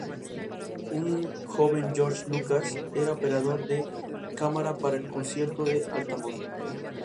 Un joven George Lucas era operador de cámara para el concierto de Altamont.